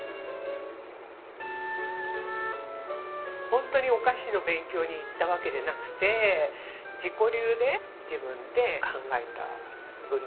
ホントにお菓子の勉強に行ったわけでなくて自己流で自分で考えた分量ですかね。